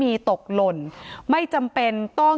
การแก้เคล็ดบางอย่างแค่นั้นเอง